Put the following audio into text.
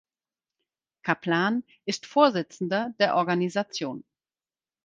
Kaplan ist Vorsitzender der Organisation.